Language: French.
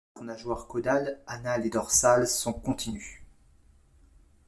Leurs nageoires caudales, anales et dorsales sont continues.